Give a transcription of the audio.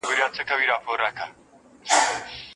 آیا فارابي یو مسلمان فیلسوف و؟